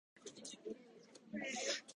レーズンが嫌いだという人は思っているよりも多い。